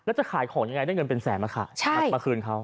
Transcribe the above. แล้วจะขายของยังไงได้เงินเป็นแสนมาค่ะมาคืนเขา